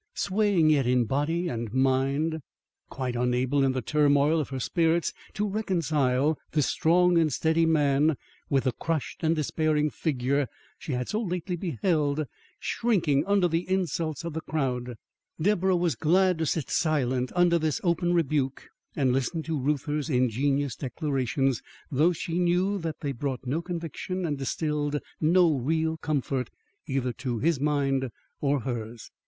Swaying yet in body and mind, quite unable in the turmoil of her spirits to reconcile this strong and steady man with the crushed and despairing figure she had so lately beheld shrinking under the insults of the crowd, Deborah was glad to sit silent under this open rebuke and listen to Reuther's ingenuous declarations, though she knew that they brought no conviction and distilled no real comfort either to his mind or hers.